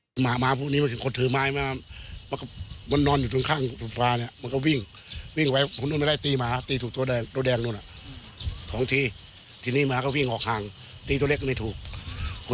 ด้านพันธ์ตำรวจเอกชายฤทธิ์ศรีวาเรียว